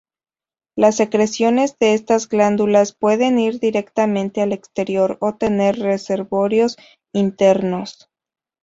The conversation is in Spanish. Las secreciones de estas glándulas pueden ir directamente al exterior o tener reservorios internos.